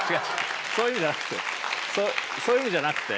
そういう意味じゃなくてそういう意味じゃなくて。